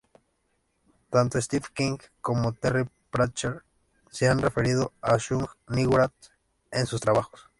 Tanto Stephen King como Terry Pratchett se han referido a Shub-Niggurath en sus trabajos.